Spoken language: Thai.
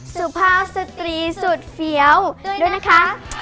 สุภาพสตรีสุดเฟี้ยวด้วยนะคะ